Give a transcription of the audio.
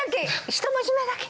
１文字目だけ。